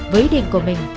với địa điểm của mình